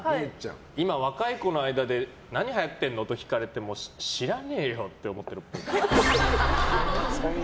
今、若い子の間で何はやってんの？と聞かれても知らねえよって思ってるっぽい。